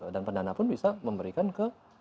dan pendana pun bisa memberikan ke